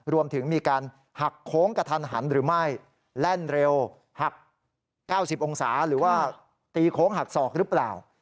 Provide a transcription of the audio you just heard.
รวมถึงมีการหักโค้งกระทันหันหรือไม่แล่นเร็วหัก๙๐องศาหรือว่าตีโค้งหักศอกหรือเปล่า